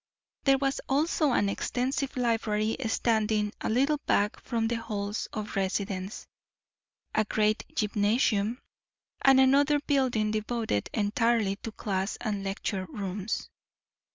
There was also an extensive library standing a little back from the halls of residence, a great gymnasium, and another building devoted entirely to class and lecture rooms.